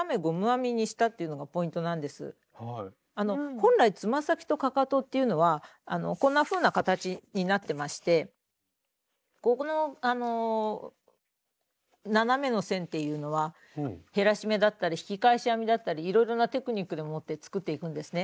本来つま先とかかとっていうのはこんなふうな形になってましてここの斜めの線っていうのは減らし目だったり引き返し編みだったりいろいろなテクニックでもって作っていくんですね。